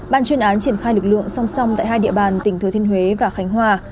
ban chuyên án triển khai lực lượng song song tại hai địa bàn tỉnh thừa thiên huế và khánh hòa